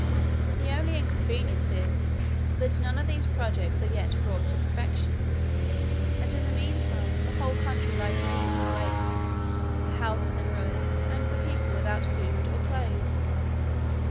The only inconvenience is, that none of these projects are yet brought to perfection; and in the mean time, the whole country lies miserably waste, the houses in ruins, and the people without food or clothes.